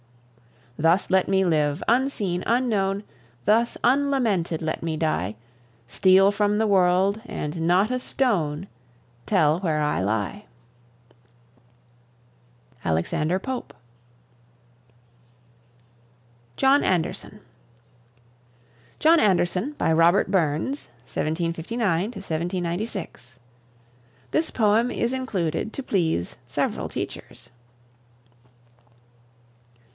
Thus let me live, unseen, unknown; Thus unlamented let me die; Steal from the world, and not a stone Tell where I lie. ALEXANDER POPE. JOHN ANDERSON "John Anderson," by Robert Burns (1759 96). This poem is included to please several teachers.